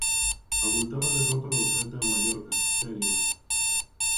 Avultada derrota do Celta en Mallorca, Terio.